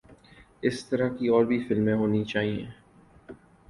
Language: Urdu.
اس طرح کی اور بھی فلمیں ہونی چاہئے